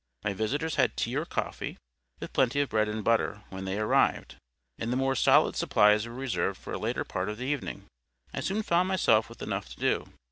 My visitors had tea or coffee, with plenty of bread and butter, when they arrived; and the more solid supplies were reserved for a later part of the evening. I soon found myself with enough to do.